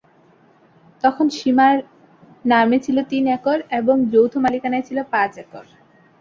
তখন স্বীমার নামে ছিল তিন একর এবং যৌথ মালিকানায় ছিল পাঁচ একর।